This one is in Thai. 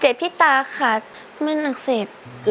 เจ็ดพี่ตาขาดมนักเสพ